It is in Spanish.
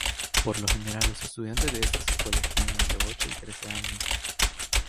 Por lo general los estudiantes de estas escuelas tienen entre ocho y trece años.